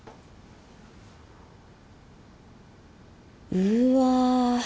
うわ。